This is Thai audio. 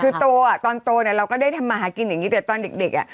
คือโตอ่ะตอนโตเนี่ยเราก็ได้ทำมาหากินอย่างนี้แต่ตอนเด็กอ่ะ